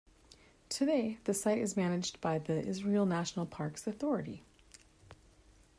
Today, the site is managed by the Israel National Parks Authority.